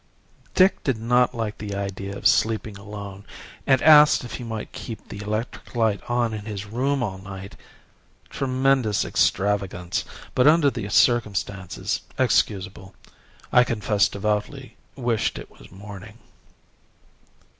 "Dick did not like the idea of sleeping alone, and asked if he might keep the electric light on in his room all night. Tremendous extravagance, but under the circumstances excusable. I confess I devoutly wished it was morning.